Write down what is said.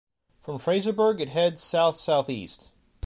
From Fraserburg it heads south-south-east.